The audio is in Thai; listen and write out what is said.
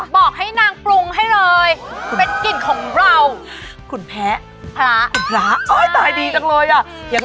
บอกให้นางปรุงให้เลย